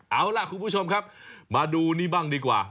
เอาล่ะคุณผู้ชมครับมาดูนี่บ้างดีกว่า